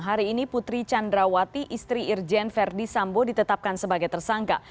hari ini putri candrawati istri irjen verdi sambo ditetapkan sebagai tersangka